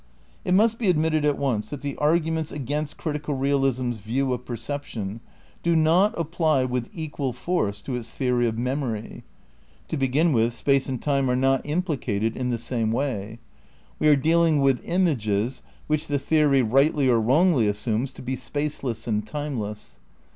It must be admitted at once that the arguments against critical realism's view of perception do not ap ply with equal force to its theory of memory. To be gin with, space and time are not implicated in the same way. We are dealing with "images" which the theory rightly or wrongly assumes to be spaceless and time less.